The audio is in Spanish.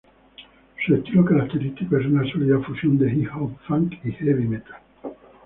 Su estilo característico es una sólida fusión de hip hop, funk, y heavy metal.